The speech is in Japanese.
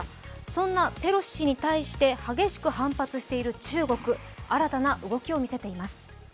そんなペロシ氏に対して激しく反発している中国、新たな動きを見せています。